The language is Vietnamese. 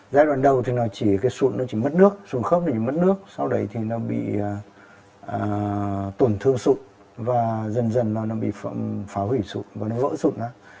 giai đoạn đầu thì cái sụn nó chỉ mất nước sụn khớp nó chỉ mất nước sau đấy thì nó bị tổn thương sụn và dần dần nó bị phá hủy sụn và nó gỡ sụn ra